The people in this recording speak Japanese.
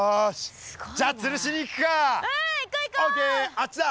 あっちだ！